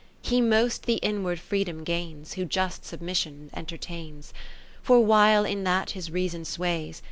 100 XXVI He most the inward freedom gains, W^ho just submissions entertains : For while in that his reason sways.